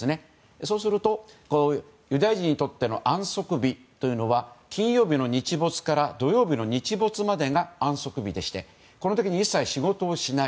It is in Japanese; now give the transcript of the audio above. そうすると、ユダヤ人にとっての安息日というのは金曜日の日没から土曜日の日没までが安息日でしてこの時に一切仕事をしない。